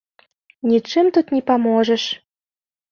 Нічым тут не паможаш.